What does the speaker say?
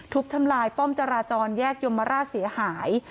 ทำลายป้อมจราจรแยกยมราชเสียหาย